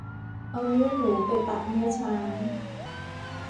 เอาเนื้อหนูไปปะเนื้อช้าง